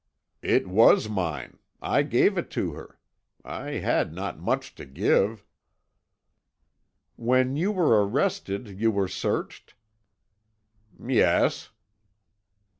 "It was mine; I gave it to her. I had not much to give." "When you were arrested you were searched?" "Yes."